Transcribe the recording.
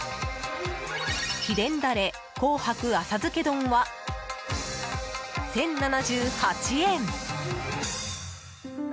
秘伝ダレ紅白浅漬け丼は１０７８円。